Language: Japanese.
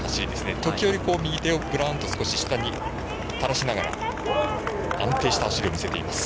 時折、右手をぶらんと下に垂らしながら安定した走りを見せています。